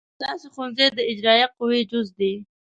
ستاسې ښوونځی د اجرائیه قوې جز دی.